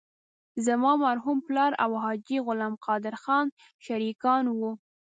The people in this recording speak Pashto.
زما مرحوم پلار او حاجي غلام قادر خان شریکان وو.